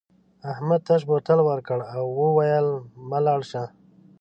احمد تش بوتل ورکړ او وویل مه لاړ شه.